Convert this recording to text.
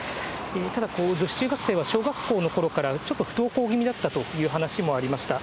ただ、女子中学生は小学校のころから、ちょっと不登校気味だったという話もありました。